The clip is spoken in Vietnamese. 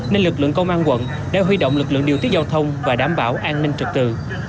nên lực lượng công an quận đã huy động lực lượng điều tiết giao thông và đảm bảo an ninh trực tự